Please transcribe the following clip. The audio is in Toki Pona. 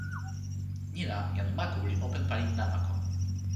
ni la, jan Maku li open pali namako.